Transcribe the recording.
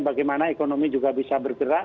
bagaimana ekonomi juga bisa bergerak